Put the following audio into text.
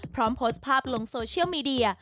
พร้อมโพสต์ภาพลงโซเชียลมีเดีย